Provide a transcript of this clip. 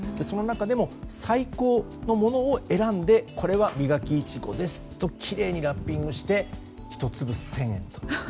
その中でも最高のものを選んでこれはミガキイチゴですときれいにラッピングして１粒１０００円と。